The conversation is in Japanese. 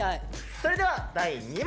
それでは第３問。